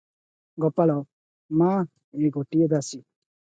ଗୋପାଳ - ମା, ଏ ଗୋଟିଏ ଦାସୀ ।